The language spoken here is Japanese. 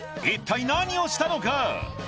一体何をしたのか？